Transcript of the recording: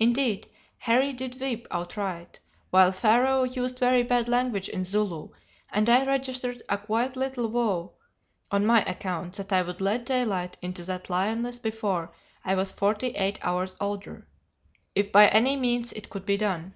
Indeed, Harry did weep outright; while Pharaoh used very bad language in Zulu, and I registered a quiet little vow on my account that I would let daylight into that lioness before I was forty eight hours older, if by any means it could be done.